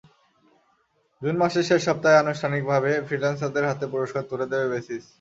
June মাসের শেষ সপ্তাহে আনুষ্ঠানিকভাবে ফ্রিল্যান্সারদের হাতে পুরস্কার তুলে দেবে বেসিস।